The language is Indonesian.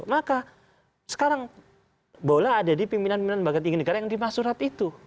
maka sekarang bola ada di pimpinan pimpinan lembaga tinggi negara yang lima surat itu